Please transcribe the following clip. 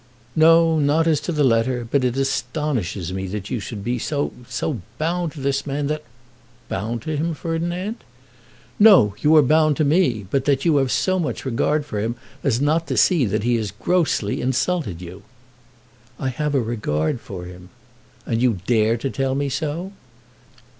"No; not as to the letter. But it astonishes me that you should be so so bound to this man that " "Bound to him, Ferdinand!" "No; you are bound to me. But that you have so much regard for him as not to see that he has grossly insulted you." "I have a regard for him." "And you dare to tell me so?"